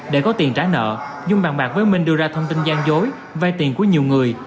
để có tiền trả nợ nhung và bạc với minh đưa ra thông tin gian dối vai tiền của nhiều người